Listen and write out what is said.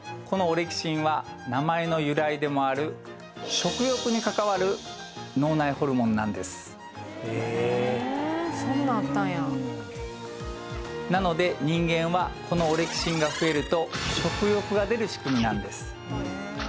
このオレキシンは名前の由来でもある食欲に関わる脳内ホルモンなんですなので人間はこのオレキシンが増えると食欲が出る仕組みなんです